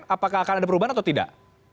apakah akan ada perubahan atau tidak